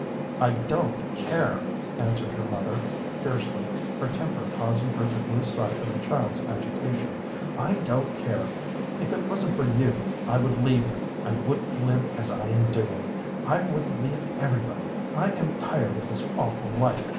"I don't care," answered her mother, fiercely, her temper causing her to lose sight of the child's agitation. "I don't care. If it wasn't for you, I would leave him. I wouldn't live as I am doing. I would leave everybody. I am tired of this awful life.